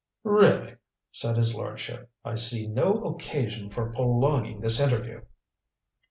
"Really," said his lordship, "I see no occasion for prolonging this interview."